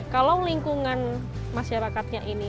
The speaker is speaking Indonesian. kalau lingkungan masyarakatnya ini